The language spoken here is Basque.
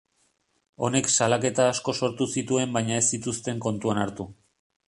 Honek salaketa asko sortu zituen baina ez zituzten kontuan hartu.